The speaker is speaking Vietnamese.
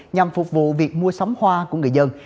nhằm phục vụ việc mua sắm hoa của người dân